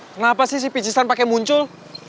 kenapa sih si pincisan pake muncul